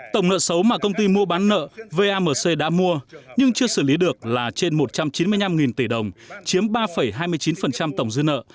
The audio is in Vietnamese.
tổng nợ xấu mà công ty mua bán nợ vamc đã mua nhưng chưa xử lý được là trên một trăm chín mươi năm tỷ đồng chiếm ba hai mươi chín tổng dư nợ